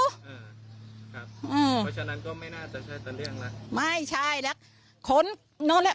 ก็ฉะนั้นก็ไม่น่าจะใช่ทะเลื่องแล้ว